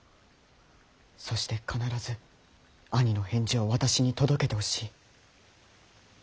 そして必ず兄の返事を私に届けてほしい。